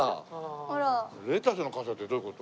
レタスの傘ってどういう事？